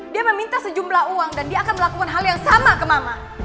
dia meminta sejumlah uang dan dia akan melakukan hal yang sama ke mama